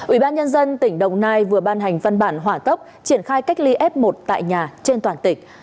ủy ban nhân dân tỉnh đồng nai vừa ban hành văn bản hỏa tốc triển khai cách ly f một tại nhà trên toàn tỉnh